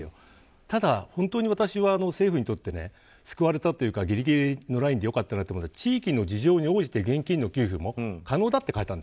ただ、政府にとって救われたというかぎりぎりのラインで良かったなと思うのは地域の事情に応じて現金の給付も可能だと書いてある。